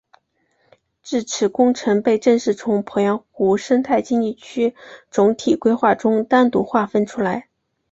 自此工程被正式从鄱阳湖生态经济区总体规划中单独划分出来。